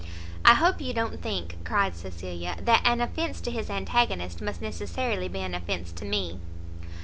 "I hope you don't think," cried Cecilia, "that an offence to his antagonist must necessarily be an offence to me?"